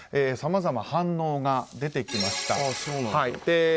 さまざま、反応が出てきました。